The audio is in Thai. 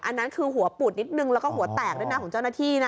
อันนั้นคือหัวปูดนิดนึงแล้วก็หัวแตกด้วยนะของเจ้าหน้าที่นะ